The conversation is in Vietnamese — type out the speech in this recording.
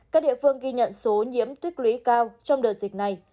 các địa phương ghi nhận số nhiễm tích lũy cao trong đợt dịch này